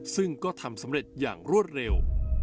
ซึ่งก็ทำสำเร็จอย่างรวดเร็ว